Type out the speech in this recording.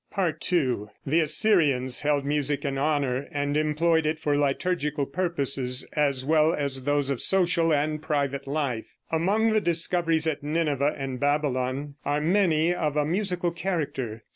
II. The Assyrians held music in honor, and employed it for liturgical purposes, as well as those of social and private life. Among the discoveries at Nineveh and Babylon are many of a musical character.